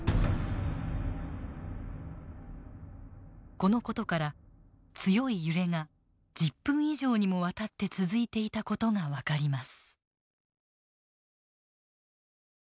この事から強い揺れが１０分以上にもわたって続いていた事が分かります。